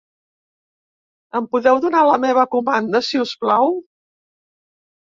Em podeu donar la meva comanda, si us plau?